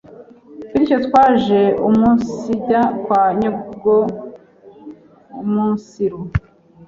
bityo twaje umunsijya kwa nyogoumunsiru